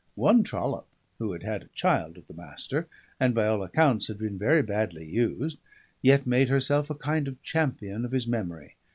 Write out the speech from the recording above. One trollop, who had had a child to the Master, and by all accounts been very badly used, yet made herself a kind of champion of his memory.